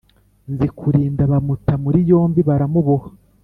Nzikurinda bamuta muri yombi, baramuboha,